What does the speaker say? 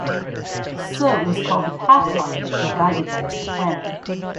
Suh was called the Pathfinder and guided them to the planet.